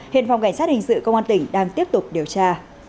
hiện phòng cảnh sát hình sự công an tỉnh đang tiếp tục điều tra